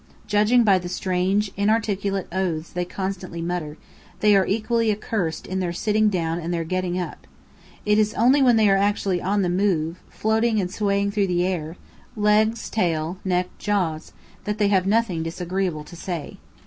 Judging by the strange, inarticulate oaths they constantly mutter, they are equally accursed in their sitting down and their getting up. It is only when they are actually "on the move," floating and swaying through the air legs, tail, neck, jaws that they have nothing disagreeable to say.